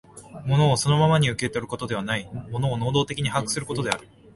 物をそのままに受け取ることではない、物を能働的に把握することである。